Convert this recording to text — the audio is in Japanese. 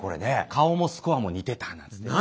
顔もスコアも似てたなんっつってね。